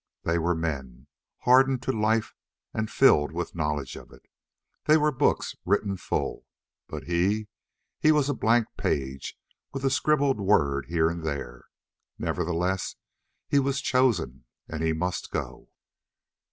They were men, hardened to life and filled with knowledge of it. They were books written full. But he? He was a blank page with a scribbled word here and there. Nevertheless, he was chosen and he must go.